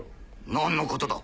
何のことだ？